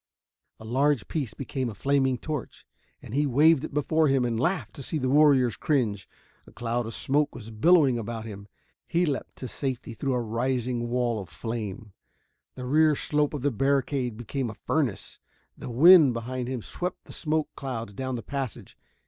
A large piece became a flaming torch, and he waved it before him and laughed to see the warriors cringe. A cloud of smoke was billowing about him he leaped to safety through a rising wall of flame. The rear slope of the barricade became a furnace; the wind behind him swept the smoke clouds down the passage.